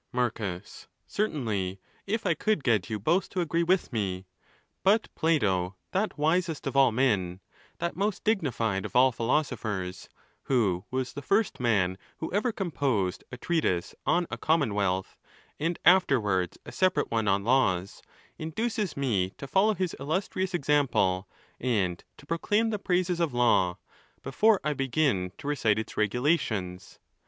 Marcus.—Certainly, if I could get you both to agree with me. But Plato, that wisest of all men, that most dignified of all philosophers, who was the first man who ever com posed a treatise on a Commonwealth, and afterwards a separate one on Laws, induces me to follow his illustrious example, and to proclaim the praises of law, before I begin to recite its regulations.